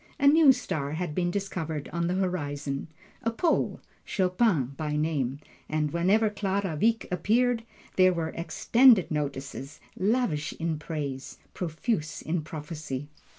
A new star had been discovered on the horizon a Pole, Chopin by name. And whenever Clara Wieck appeared, there were extended notices, lavish in praise, profuse in prophecy.